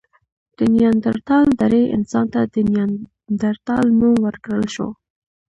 د نیاندرتال درې انسان ته د نایندرتال نوم ورکړل شو.